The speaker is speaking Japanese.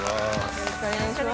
よろしくお願いします。